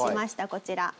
こちら。